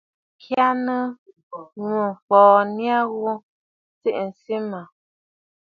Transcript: Bɨ wa nàà ya ŋkyà nɨ̂mfɔɔ nya ghu tsiʼì nɨ̀tsɨ̀mə̀.